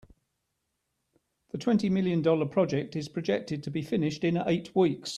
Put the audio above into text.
The twenty million dollar project is projected to be finished in eight weeks.